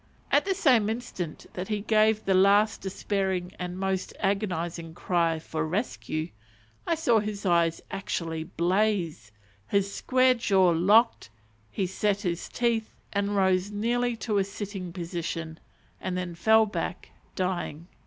At the same instant that he gave the last despairing and most agonizing cry for "rescue," I saw his eyes actually blaze, his square jaw locked, he set his teeth, and rose nearly to a sitting position, and then fell back dying.